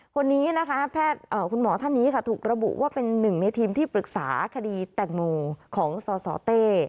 คนนี้นะคะคุณหมอท่านนี้ค่ะถูกระบุว่าเป็นหนึ่งในทีมที่ปรึกษาคดีแตงโมของสสเต้